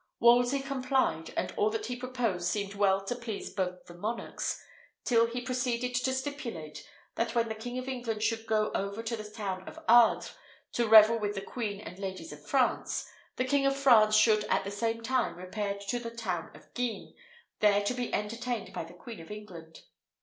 Wolsey complied; and all that he proposed seemed well to please both the monarchs, till he proceeded to stipulate, that when the King of England should go over to the town of Ardres, to revel with the queen and ladies of France, the King of France should at the same time repair to the town of Guisnes, there to be entertained by the Queen of England.